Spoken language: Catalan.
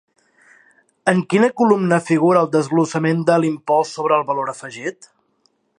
En quina columna figura el desglossament de l'impost sobre el valor afegit?